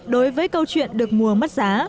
đối với câu chuyện được mùa mất giá